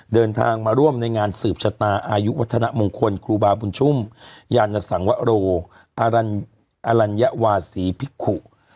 เดินทางมาร่วมในงานสืบชะตาอายุวัฒนมงคลครูบาบุญชุ่มยานสังวโรัญวาศีพิกุ